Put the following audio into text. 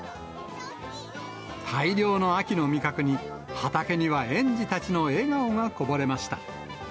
大量の秋の味覚に、畑には園児たちの笑顔がこぼれました。